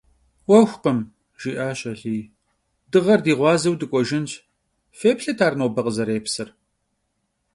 «'Uexukhım ,— jji'aş Aliy ,— dığer di ğuazeu dık'uejjınş; fêplhıt ar nobe khızerêpsır».